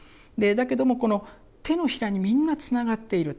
だけどもこの手のひらにみんなつながっている。